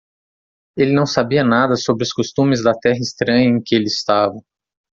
Ele não sabia nada sobre os costumes da terra estranha em que ele estava.